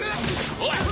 おい！